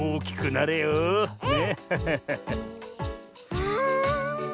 わあ。